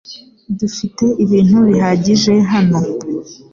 Dufite ibintu bihagije hano .